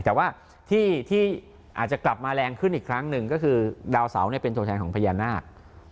แต่ว่าที่อาจจะกลับมาแรงขึ้นอีกครั้งหนึ่งก็คือดาวเสาเป็นตัวแทนของพญานาค